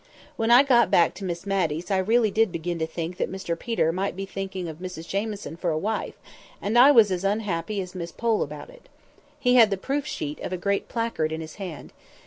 When I got back to Miss Matty's I really did begin to think that Mr Peter might be thinking of Mrs Jamieson for a wife, and I was as unhappy as Miss Pole about it. He had the proof sheet of a great placard in his hand.